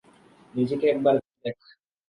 নিজেকে একবার দেখ।